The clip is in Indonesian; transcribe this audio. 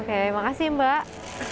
oke makasih mbak